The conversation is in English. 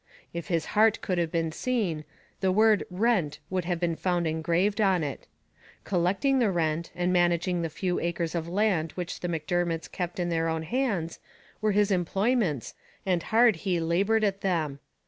If his heart could have been seen, the word "Rent" would have been found engraved on it. Collecting the rent, and managing the few acres of land which the Macdermots kept in their own hands, were his employments, and hard he laboured at them.